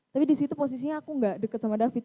tapi di situ posisinya aku nggak dekat sama david